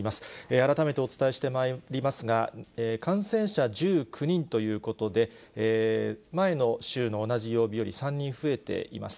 改めてお伝えしてまいりますが、感染者１９人ということで、前の週の同じ曜日より３人増えています。